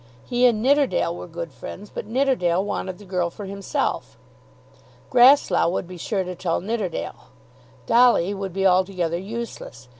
He and Nidderdale were good friends; but Nidderdale wanted the girl for himself. Grasslough would be sure to tell Nidderdale. Dolly would be altogether useless.